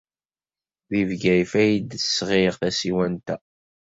Deg Bgayet ay d-sɣiɣ tasiwant-a.